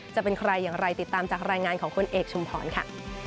จะเป็นใครอย่างไรติดตามจากรายงานของคุณเอกชุมพรค่ะ